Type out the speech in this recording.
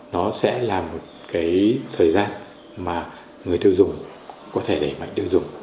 nó sẽ là một cái thời gian mà người tiêu dùng có thể đẩy mạnh tiêu dùng